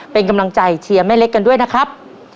เป็นกำลังใจเชียร์แม่เล็กกันด้วยนะครับ